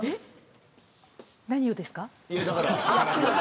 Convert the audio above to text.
何をですか。